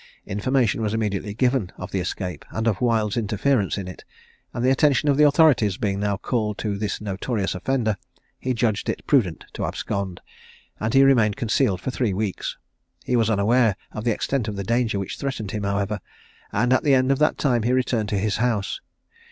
Information was immediately given of the escape, and of Wild's interference in it; and the attention of the authorities being now called to this notorious offender, he judged it prudent to abscond, and he remained concealed for three weeks. He was unaware of the extent of the danger which threatened him, however, and at the end of that time he returned to his house.